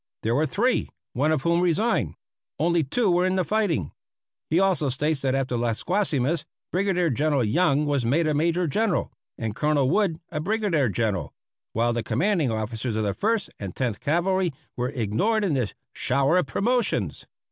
There were three, one of whom resigned. Only two were in the fighting. He also states that after Las Guasimas Brigadier General Young was made a Major General and Colonel Wood a Brigadier General, while the commanding officers of the First and Tenth Cavalry were ignored in this "shower of promotions."